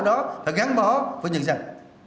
đó phải gắn bó với nhân dân